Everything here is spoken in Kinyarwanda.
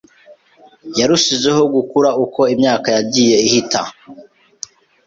Yarushijeho gukura uko imyaka yagiye ihita.